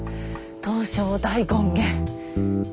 「東照大権現」。